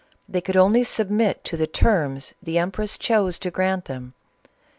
They could only submit to the terms the empress chose to grant them.